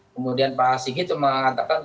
kemudian pak sigit mengatakan